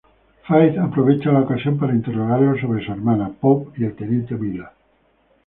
Faith aprovecha la ocasión para interrogarlo sobre su hermana, Pope y el teniente Miller.